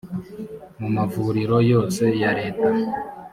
mu mavuriro yose ya leta